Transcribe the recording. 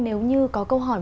nếu như có câu hỏi